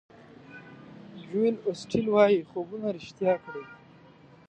جویل اوسټین وایي خوبونه ریښتیا کړئ.